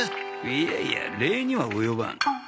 いやいや礼には及ばん。